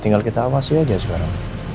tinggal kita awasi aja sekarang